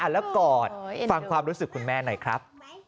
แล้วกอดฟังความรู้สึกคุณแม่หน่อยครับ